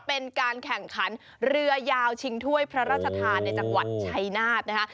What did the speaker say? เป็นการแข่งขันเรือยาวชิงถ้วยพระราชทานในจังหวัดชัยนาธนะคะ